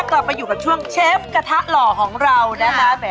กลับมาอยู่กับช่วงเชฟกระทะหล่อของเรานะคะ